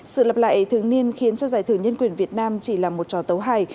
sự lặp lại thường niên khiến cho giải thưởng nhân quyền việt nam chỉ là một trò tấu hài